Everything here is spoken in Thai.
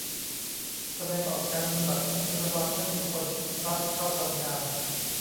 แสดงออกการเมืองแบบนี้ระวังไม่มีคนรับเข้าทำงาน